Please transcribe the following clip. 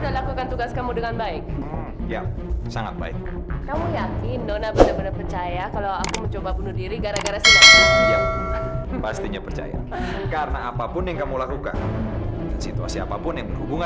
aku sudah mencintai dia